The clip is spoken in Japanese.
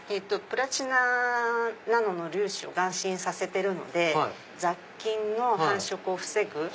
プラチナナノの粒子を含浸させてるので雑菌の繁殖を防ぐ。